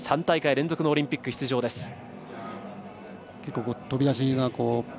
３大会連続のオリンピック出場です。